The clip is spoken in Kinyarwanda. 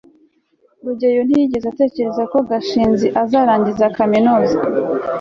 rugeyo ntiyigeze atekereza ko gashinzi azarangiza kaminuza